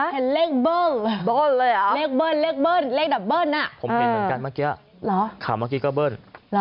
เห็นเลขเบิ้ลเลยเหรอเลขเบิ้ลเลขเบิ้ลเลขดับเบิ้ลผมเห็นเหมือนกันเมื่อกี้ข่าวเมื่อกี้ก็เบิ้ล